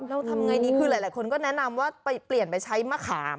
เราทำไงดีคือหลายคนก็แนะนำว่าไปเปลี่ยนไปใช้มะขาม